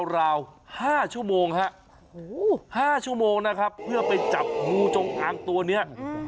ราว๕ชั่วโมงฮะ๕ชั่วโมงนะครับเพื่อไปจับงูจงอางตัวนี้